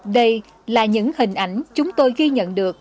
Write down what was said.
đây là những hình ảnh chúng tôi ghi nhận được